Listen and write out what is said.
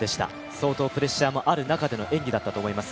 相当プレッシャーもある中での演技だったと思います。